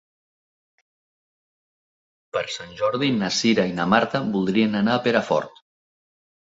Per Sant Jordi na Cira i na Marta voldrien anar a Perafort.